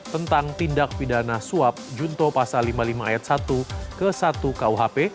tentang tindak pidana suap junto pasal lima puluh lima ayat satu ke satu kuhp